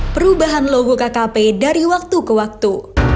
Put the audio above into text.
perubahan logo kkp dari waktu ke waktu